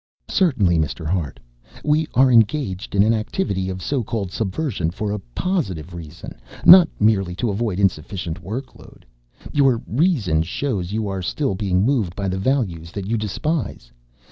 "Certainly. Mr. Hart, we are engaged in an activity of so called subversion for a positive reason, not merely to avoid insufficient work load. Your reason shows you are still being moved by the values that you despise.